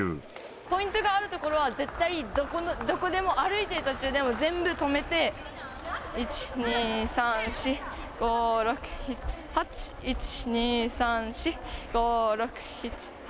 ポイントがある所は絶対、どこでも歩いてる途中でも、全部止めて、１、２、３、４、５、６、７、８。